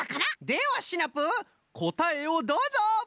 ではシナプーこたえをどうぞ！